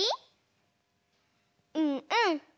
うんうん。